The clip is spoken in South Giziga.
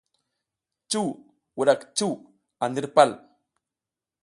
Cuw wuɗak cuw a ndir pal.